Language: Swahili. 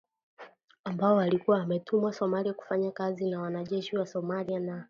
ambao walikuwa wametumwa Somalia kufanya kazi na wanajeshi wa Somalia na